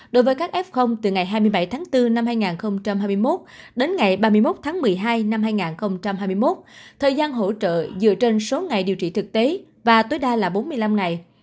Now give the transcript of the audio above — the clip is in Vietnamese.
đối với các f từ ngày hai mươi bảy tháng bốn năm hai nghìn hai mươi một đến ngày ba mươi một tháng một mươi hai năm hai nghìn hai mươi một thời gian hỗ trợ dựa trên số ngày điều trị thực tế và tối đa là bốn mươi năm ngày